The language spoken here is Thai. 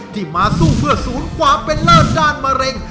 ที่มาสู้เพื่อศูนย์ความเป็นเลิศด้านมะเร็ง